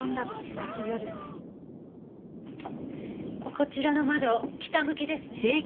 こちらの窓北向きですね。